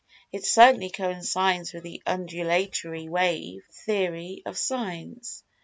It certainly coincides with the "undulatory wave" theory of Science.